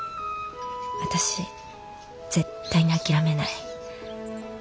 私絶対に諦めない。